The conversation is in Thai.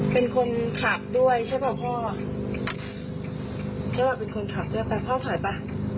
เป็นคนขับด้วยใช่ป่าวพ่อใช่ป่ะเป็นคนขับด้วยไปพ่อถ่อยป่ะ